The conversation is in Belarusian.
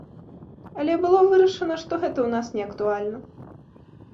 Але было вырашана, што гэта ў нас неактуальна.